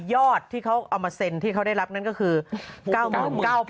ยอดที่เขาเอามาเซ็นที่เขาได้รับนั่นก็คือ๙๙๐๐